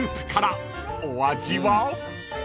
お味は？］